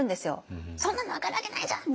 「そんなの分かるわけないじゃん！」